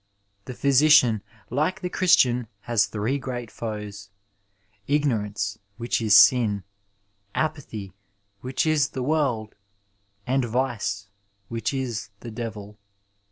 The physidan, like the Chris tian, has three great foes — ^ignorance, which is sin ; apathy, which is the world ; and vice, which is the devil.